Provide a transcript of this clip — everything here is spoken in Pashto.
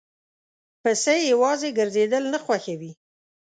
پسه یواځی ګرځېدل نه خوښوي.